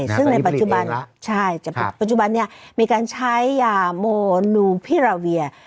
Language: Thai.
ซึ่งในปัจจุบันนี้มีการใช้ยาโมนูพิราเวีย